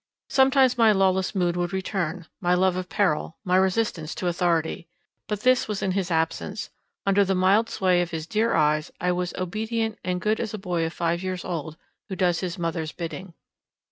Sometimes my lawless mood would return, my love of peril, my resistance to authority; but this was in his absence; under the mild sway of his dear eyes, I was obedient and good as a boy of five years old, who does his mother's bidding.